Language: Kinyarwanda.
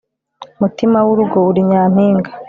mutimawurugo uri nyampinga